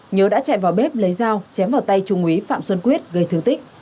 nhớ đã chạy vào bếp lấy dao chém vào tay trung úy phạm xuân quyết gây thương tích